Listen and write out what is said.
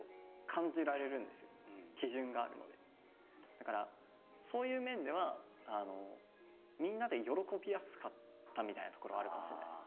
だからそういう面ではみんなで喜びやすかったみたいなところはあるかもしれないです。